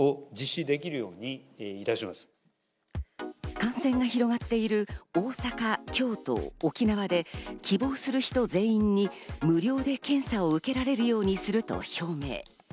感染が広がっている大阪、京都、沖縄で希望する人全員に無料で検査を受けられるようにすると表明。